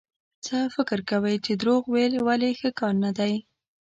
څه فکر کوئ چې دروغ ويل ولې ښه کار نه دی؟